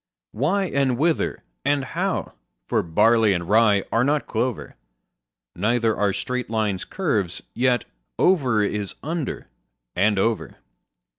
Why, and whither, and how? for barley and rye are not clover: Neither are straight lines curves: yet over is under and over.